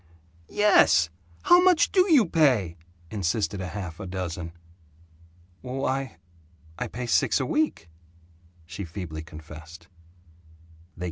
"Yes! How much do you pay?" insisted half a dozen. "W why, I pay six a week," she feebly confessed.